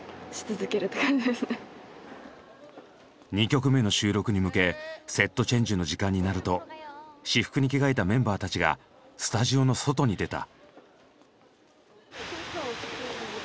２曲目の収録に向けセットチェンジの時間になると私服に着替えたメンバーたちがスタジオの外に出た。